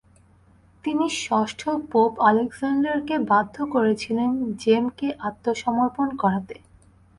তিনি ষষ্ঠ পোপ আলেকজান্ডারকে বাধ্য করেছিলেন জেমকে আত্মসমর্পণ করাতে।